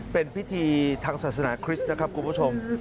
เป็นพิธีทางศาสนาคริสต์นะครับคุณผู้ชม